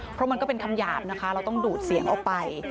เพราะมันก็เป็นคำหยาบนะคะเราต้องดูดเสียงออกไป